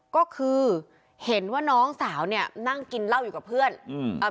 ก็คือเห็นว่าน้องสาวเนี่ยนั่งกินเหล้าอยู่กับเพื่อนอืมอ่า